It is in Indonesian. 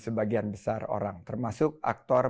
sebagian besar orang termasuk aktor